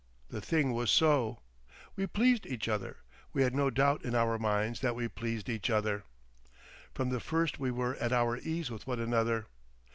The thing was so. We pleased each other, we had no doubt in our minds that we pleased each other. From the first we were at our ease with one another.